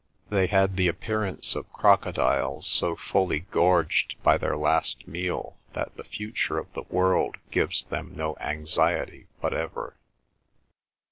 They had the appearance of crocodiles so fully gorged by their last meal that the future of the world gives them no anxiety whatever.